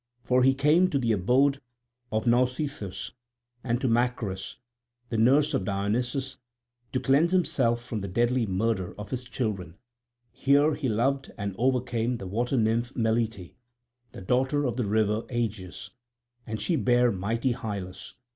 For he came to the abode of Nausithous and to Macris, the nurse of Dionysus, to cleanse himself from the deadly murder of his children; here he loved and overcame the water nymph Melite, the daughter of the river Aegaeus, and she bare mighty Hyllus.